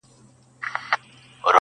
صبر انسان له بېځایه تصمیمونو ژغوري.